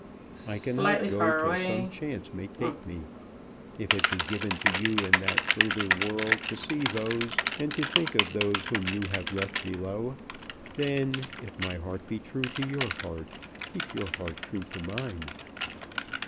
I cannot go till some chance may take me. If it be given to you in that further world to see those and to think of those whom you have left below, then, if my heart be true to your heart, keep your heart true to mine.